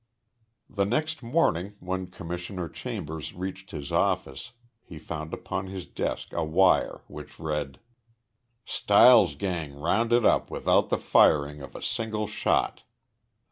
The next morning, when Commissioner Chambers reached his office, he found upon his desk a wire which read: Stiles gang rounded up without the firing of a single shot.